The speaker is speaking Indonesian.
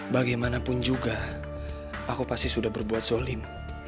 bagaimanapun juga aku pasti sudah berbuat zolim